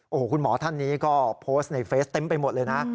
โอ้โหคุณหมอท่านนี้ก็โพสต์ในเฟสเต็มไปหมดเลยนะ